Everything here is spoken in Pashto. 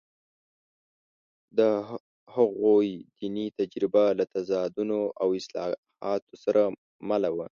د هغوی دیني تجربه له تضادونو او اصلاحاتو سره مله وه.